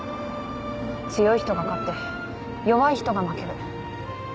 強い人が勝って弱い人が負ける。